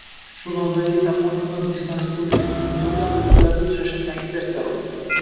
Shu nomdagi toponimlar O‘zbekiston Respublikasining ko‘plab hududlarida uchrashini ta’kidlash zarur.